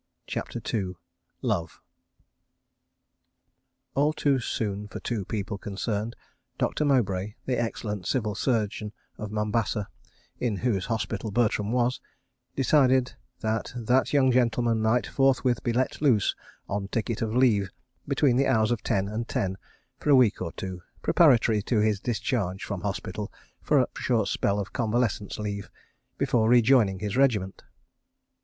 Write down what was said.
. CHAPTER II Love All too soon for two people concerned, Doctor Mowbray, the excellent Civil Surgeon of Mombasa, in whose hospital Bertram was, decided that that young gentleman might forthwith be let loose on ticket of leave between the hours of ten and ten for a week or two, preparatory to his discharge from hospital for a short spell of convalescence leave before rejoining his regiment.